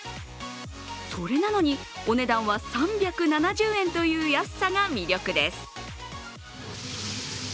それなのにお値段は３７０円という安さが魅力です。